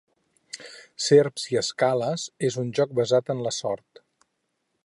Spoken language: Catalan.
"Serps i escales" és un joc basat en la sort.